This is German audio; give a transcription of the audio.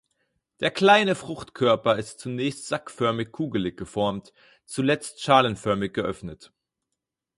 Der kleine Fruchtkörper ist zunächst sackförmig-kugelig geformt, zuletzt schalenförmig geöffnet.